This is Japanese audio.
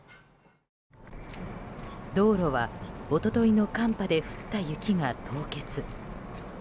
道路は、一昨日の寒波で降った雪が凍結。